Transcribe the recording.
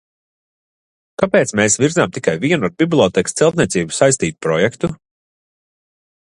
Kāpēc mēs virzām tikai vienu ar bibliotēkas celtniecību saistītu projektu?